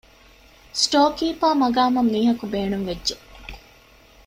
ސްޓޯރ ކީޕަރ މަޤާމަށް މީހަކު ބޭނުންވެއްްޖެ